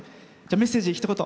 メッセージ、ひと言。